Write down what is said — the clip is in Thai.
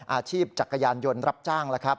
จักรยานยนต์รับจ้างแล้วครับ